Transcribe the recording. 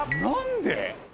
何で？